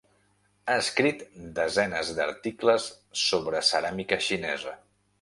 Ha escrit desenes d'articles sobre ceràmica xinesa.